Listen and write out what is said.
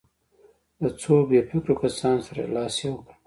له څو بې فکرو کسانو سره یې لاس یو کړ.